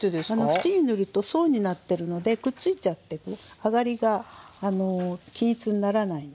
縁に塗ると層になってるのでくっついちゃってあがりが均一にならないんですね。